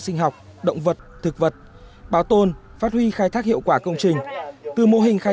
sinh học động vật thực vật bảo tồn phát huy khai thác hiệu quả công trình từ mô hình khai